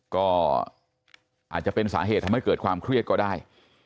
ก็อาจจะเป็นสาเหตุทำให้เกิดความเครียดก็ได้